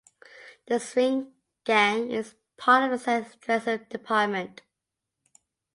The swing gang is part of the set dressing department.